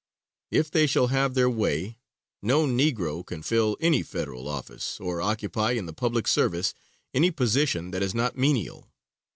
If they shall have their way, no Negro can fill any federal office, or occupy, in the public service, any position that is not menial.